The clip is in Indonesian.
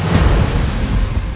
ini gua iqbal